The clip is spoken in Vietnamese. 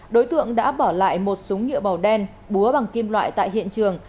đối tượng đã bỏ lại một súng nhựa màu đen búa bằng kim loại tại hiện trường